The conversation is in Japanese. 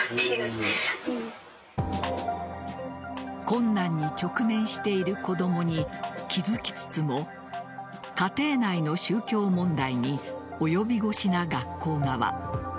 困難に直面している子供に気付きつつも家庭内の宗教問題に及び腰な学校側。